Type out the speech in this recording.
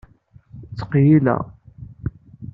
Ttqeyyileɣ.